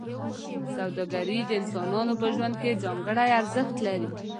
سوداګري د انسانانو په ژوند کې ځانګړی ارزښت لري.